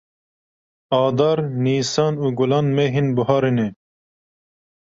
Adar, Nîsan û Gulan mehên buharê ne.